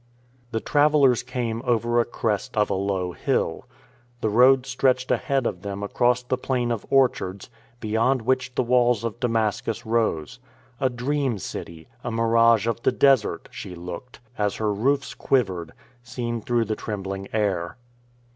The travellers came over a crest of a low hill. The road stretched ahead of them across the plain of orchards, beyond which the walls of Damascus rose. A dream city — a mirage of the desert — she looked, as her roofs quivered, seen through the trembling air.